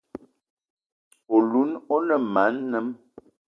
Oloun o ne ma anem.